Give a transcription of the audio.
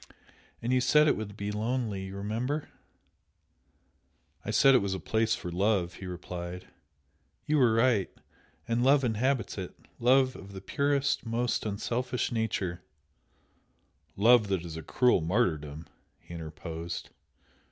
And you said it would be lonely! you remember?" "I said it was a place for love!" he replied. "You were right! And love inhabits it love of the purest, most unselfish nature " "Love that is a cruel martyrdom!" he interposed.